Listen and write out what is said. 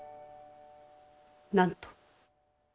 何と？